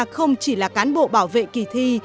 không chỉ là cán bộ bảo vệ kỳ thi